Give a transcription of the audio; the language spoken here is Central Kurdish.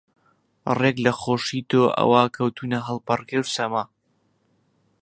ڕێک لە خۆشی تۆ ئەوا کەوتوونە هەڵپەڕکێ و سەما